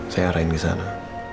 saya arahin ke sana